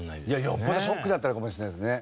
よっぽどショックだったのかもしれないですね。